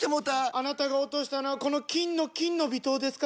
あなたが落としたのはこの金の「金の微糖」ですか？